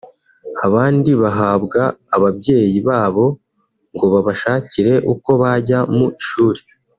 abandi bahabwa ababyeyi babo ngo babashakirwe uko bajya mu ishuri